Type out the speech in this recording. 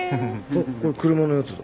あっこれ車のやつだ。